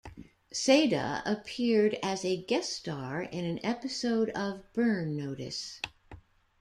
Seda appeared as a guest star in an episode of "Burn Notice".